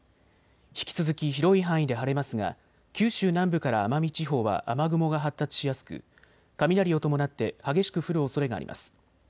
引き続き広い範囲で晴れますが九州南部から奄美地方は雨雲が発達しやすく雷を伴って激しく降るおそれがあります。